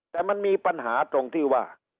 แต่มันมีปัญหาตรงที่ว่า